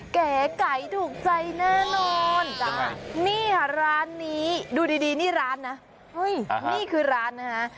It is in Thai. เก๋ไก่ถูกใจแน่นอนนี่ค่ะร้านนี้ดูดีนี่ร้านนะนี่คือร้านนะฮะ